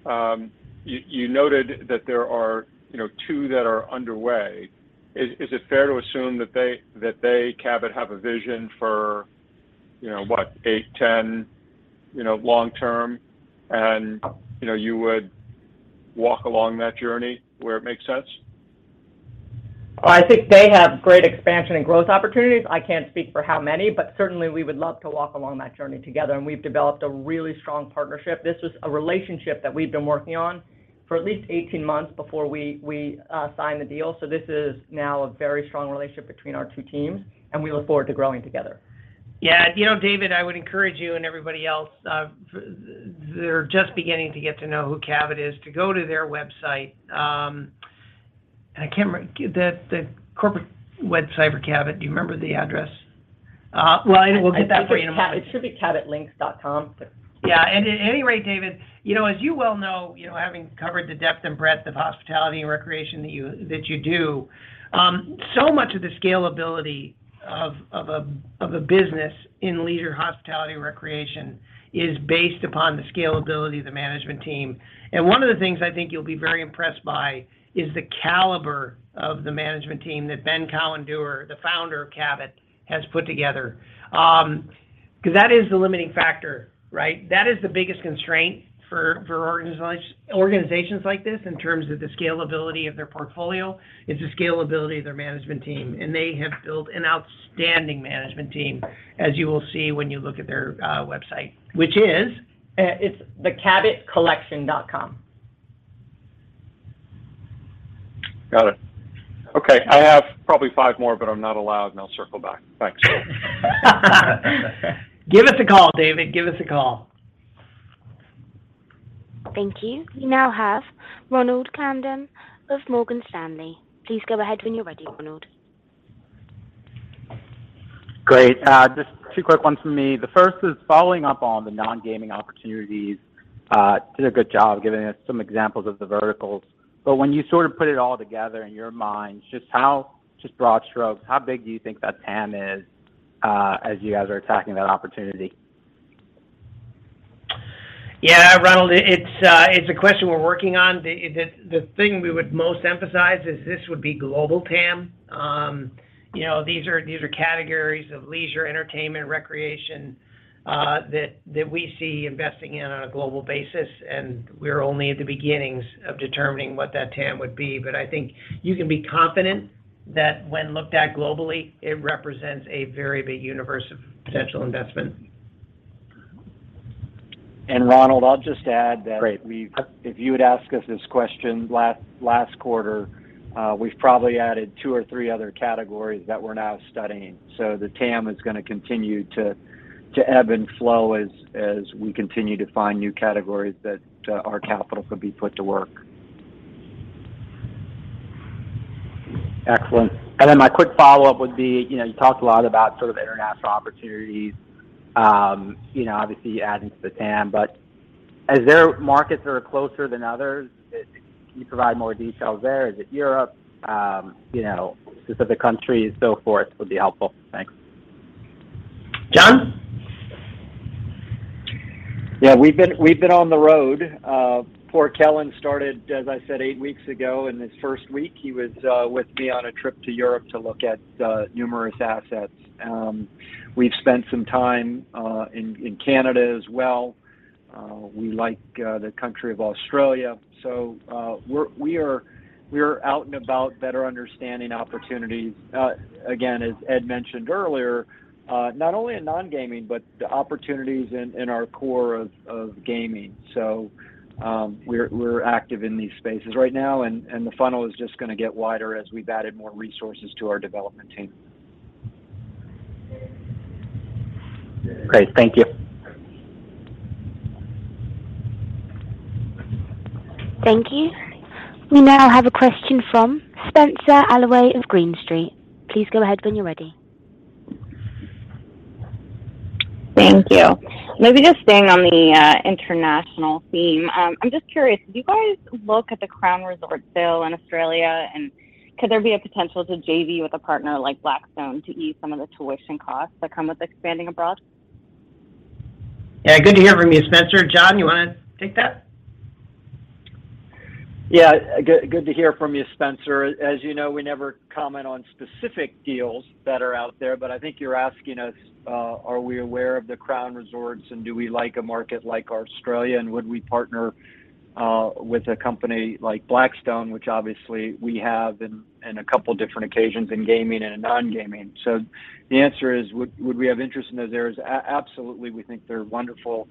follow-up, you noted that there are, you know, two that are underway. Is it fair to assume that they, Cabot, have a vision for, you know, what, eight, 10, you know, long term, and, you know, you would walk along that journey where it makes sense? I think they have great expansion and growth opportunities. I can't speak for how many, but certainly we would love to walk along that journey together, and we've developed a really strong partnership. This was a relationship that we've been working on for at least 18 months before we signed the deal. This is now a very strong relationship between our two teams, and we look forward to growing together. Yeah. You know, David, I would encourage you and everybody else, they're just beginning to get to know who Cabot is to go to their website. I can't. The corporate website for Cabot. Do you remember the address? Well, I know we'll get that for you in a moment. I think it should be CabotLinks.com. Yeah. At any rate, David, you know, as you well know, you know, having covered the depth and breadth of hospitality and recreation that you do, so much of the scalability of a business in leisure hospitality recreation is based upon the scalability of the management team. One of the things I think you'll be very impressed by is the caliber of the management team that Ben Cowan-Dewar, the founder of Cabot, has put together. Because that is the limiting factor, right? That is the biggest constraint for organizations like this in terms of the scalability of their portfolio, is the scalability of their management team. They have built an outstanding management team, as you will see when you look at their website. Which is? It's the CabotCollection.com. Got it. Okay. I have probably five more, but I'm not allowed, and I'll circle back. Thanks. Give us a call, David. Give us a call. Thank you. We now have Ronald Kamdem of Morgan Stanley. Please go ahead when you're ready, Ronald. Great. Just two quick ones from me. The first is following up on the non-gaming opportunities. Did a good job giving us some examples of the verticals. When you sort of put it all together in your mind, just how, just broad strokes, how big do you think that TAM is, as you guys are attacking that opportunity? Yeah, Ronald, it's a question we're working on. The thing we would most emphasize is this would be global TAM. You know, these are categories of leisure, entertainment, recreation, that we see investing in on a global basis, and we're only at the beginnings of determining what that TAM would be. I think you can be confident that when looked at globally, it represents a very big universe of potential investment. Ronald, I'll just add that- Great. If you had asked us this question last quarter, we've probably added two or three other categories that we're now studying. The TAM is gonna continue to ebb and flow as we continue to find new categories that our capital could be put to work. Excellent. Then my quick follow-up would be, you know, you talked a lot about sort of international opportunities, you know, obviously adding to the TAM. As their markets are closer than others, can you provide more details there? Is it Europe? You know, specific countries, so forth, would be helpful. Thanks. John? Yeah. We've been on the road. Poor Kellan started, as I said, eight weeks ago, and his first week he was with me on a trip to Europe to look at numerous assets. We've spent some time in Canada as well. We like the country of Australia. We're out and about better understanding opportunities, again, as Ed mentioned earlier, not only in non-gaming, but the opportunities in our core of gaming. We're active in these spaces right now, and the funnel is just gonna get wider as we've added more resources to our development team. Great. Thank you. Thank you. We now have a question from Spenser Allaway of Green Street. Please go ahead when you're ready. Thank you. Maybe just staying on the international theme. I'm just curious, do you guys look at the Crown Resorts deal in Australia, and could there be a potential to JV with a partner like Blackstone to ease some of the transaction costs that come with expanding abroad? Yeah. Good to hear from you, Spenser. John, you wanna take that? Yeah. Good to hear from you, Spenser. As you know, we never comment on specific deals that are out there. I think you're asking us, are we aware of the Crown Resorts, and do we like a market like Australia, and would we partner with a company like Blackstone, which obviously we have in a couple different occasions in gaming and in non-gaming. The answer is, would we have interest in those areas? Absolutely. We think they're wonderful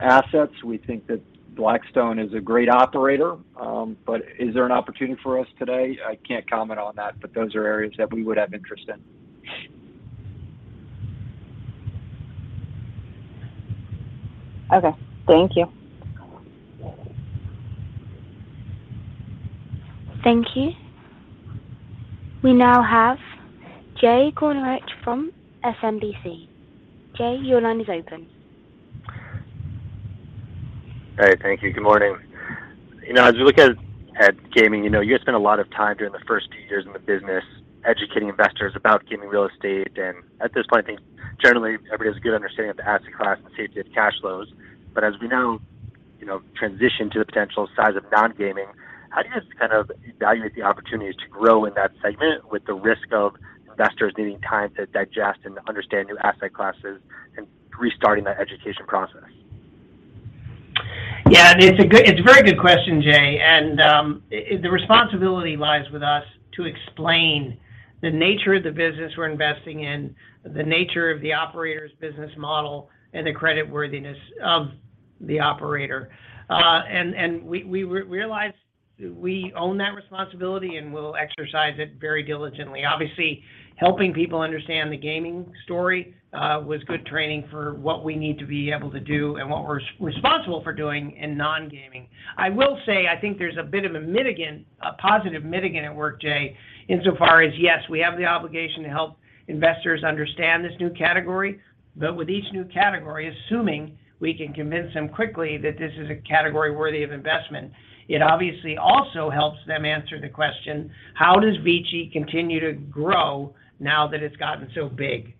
assets. We think that Blackstone is a great operator. But is there an opportunity for us today? I can't comment on that, but those are areas that we would have interest in. Okay. Thank you. Thank you. We now have Jay Kornreich from SMBC. Jay, your line is open. All right, thank you. Good morning. You know, as we look at gaming, you know, you guys spent a lot of time during the first few years in the business educating investors about gaming real estate. At this point, I think generally everybody has a good understanding of the asset class and the safety of cash flows. As we now, you know, transition to the potential size of non-gaming, how do you guys kind of evaluate the opportunities to grow in that segment with the risk of investors needing time to digest and understand new asset classes and restarting that education process? Yeah, it's a very good question, Jay. The responsibility lies with us to explain the nature of the business we're investing in, the nature of the operator's business model, and the credit worthiness of the operator. We realize we own that responsibility, and we'll exercise it very diligently. Obviously, helping people understand the gaming story was good training for what we need to be able to do and what we're responsible for doing in non-gaming. I will say, I think there's a bit of a positive mitigant at work, Jay, insofar as, yes, we have the obligation to help investors understand this new category. With each new category, assuming we can convince them quickly that this is a category worthy of investment, it obviously also helps them answer the question: how does VICI continue to grow now that it's gotten so big?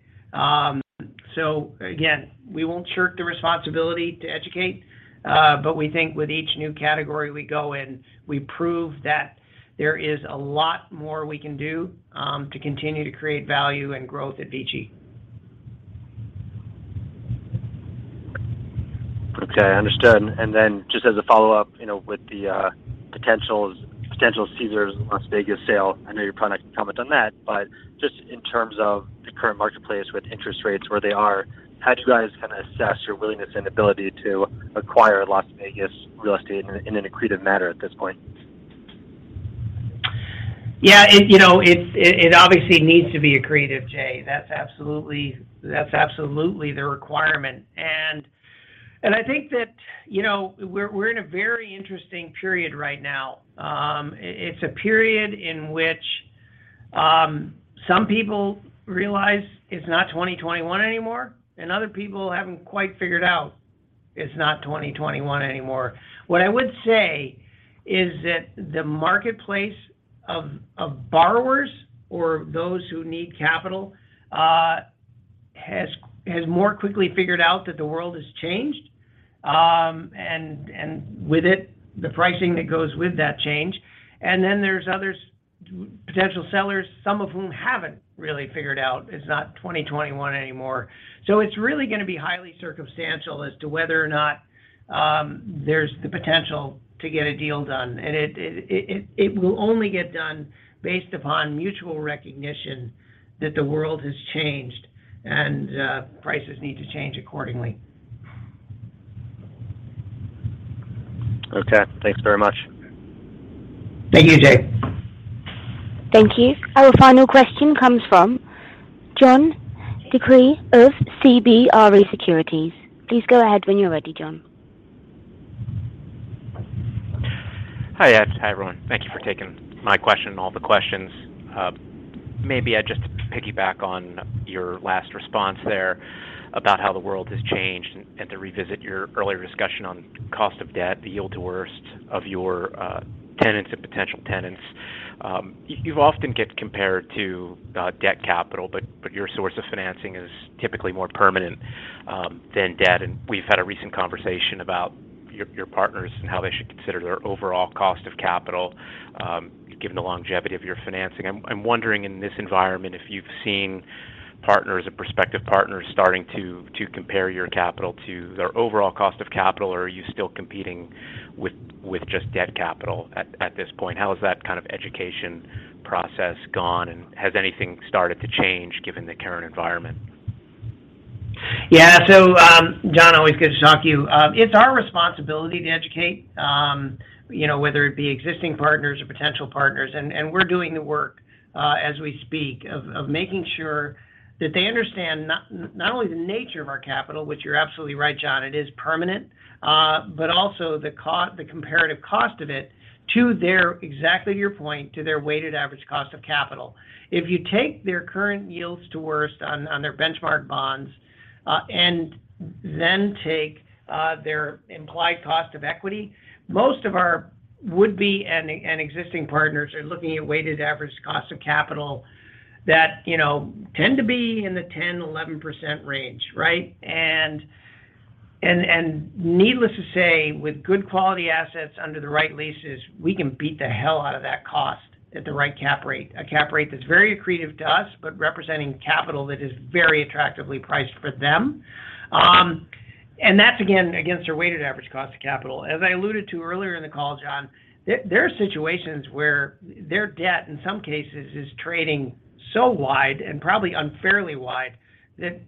Again, we won't shirk the responsibility to educate, but we think with each new category we go in, we prove that there is a lot more we can do to continue to create value and growth at VICI. Okay, understood. Just as a follow-up, you know, with the potential Caesars Las Vegas sale, I know you probably can't comment on that. Just in terms of the current marketplace with interest rates where they are, how do you guys kinda assess your willingness and ability to acquire Las Vegas real estate in an accretive manner at this point? Yeah, you know, it obviously needs to be accretive, Jay. That's absolutely the requirement. I think that, you know, we're in a very interesting period right now. It's a period in which some people realize it's not 2021 anymore, and other people haven't quite figured out it's not 2021 anymore. What I would say is that the marketplace of borrowers or those who need capital has more quickly figured out that the world has changed, and with it, the pricing that goes with that change. There's other potential sellers, some of whom haven't really figured out it's not 2021 anymore. It's really gonna be highly circumstantial as to whether or not there's the potential to get a deal done. It will only get done based upon mutual recognition that the world has changed and prices need to change accordingly. Okay. Thanks very much. Thank you, Jay. Thank you. Our final question comes from John DeCree of CBRE Securities. Please go ahead when you're ready, John. Hi, Ed. Hi, everyone. Thank you for taking my question and all the questions. Maybe I just piggyback on your last response there about how the world has changed and to revisit your earlier discussion on cost of debt, the yield to worst of your tenants and potential tenants. You often get compared to debt capital, but your source of financing is typically more permanent than debt, and we've had a recent conversation about your partners and how they should consider their overall cost of capital given the longevity of your financing. I'm wondering in this environment, if you've seen partners or prospective partners starting to compare your capital to their overall cost of capital, or are you still competing with just debt capital at this point? How has that kind of education process gone, and has anything started to change given the current environment? Yeah. John, always good to talk to you. It's our responsibility to educate, you know, whether it be existing partners or potential partners. We're doing the work as we speak of making sure that they understand not only the nature of our capital, which you're absolutely right, John, it is permanent, but also the comparative cost of it to their, exactly your point, to their weighted average cost of capital. If you take their current yields to worst on their benchmark bonds and then take their implied cost of equity, most of our would-be and existing partners are looking at weighted average cost of capital that, you know, tend to be in the 10%-11% range, right? Needless to say, with good quality assets under the right leases, we can beat the hell out of that cost at the right cap rate, a cap rate that's very accretive to us, but representing capital that is very attractively priced for them. That's again against their weighted average cost of capital. As I alluded to earlier in the call, John, there are situations where their debt, in some cases, is trading so wide and probably unfairly wide that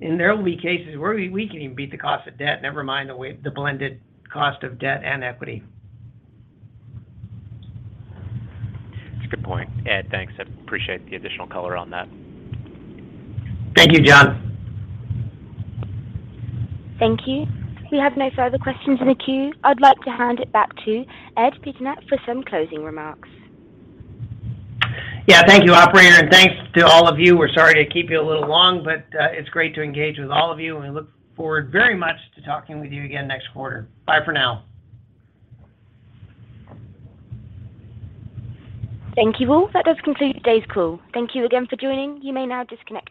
there will be cases where we can even beat the cost of debt, never mind the blended cost of debt and equity. That's a good point. Ed, thanks. I appreciate the additional color on that. Thank you, John. Thank you. We have no further questions in the queue. I'd like to hand it back to Ed Pitoniak for some closing remarks. Yeah. Thank you, operator, and thanks to all of you. We're sorry to keep you a little long, but it's great to engage with all of you, and we look forward very much to talking with you again next quarter. Bye for now. Thank you all. That does conclude today's call. Thank you again for joining. You may now disconnect your lines.